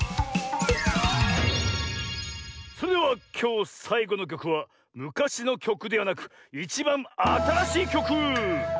それではきょうさいごのきょくはむかしのきょくではなくいちばんあたらしいきょく！